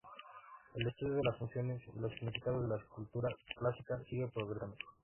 El estudio de las funciones y los significados de la escultura clásica sigue progresando.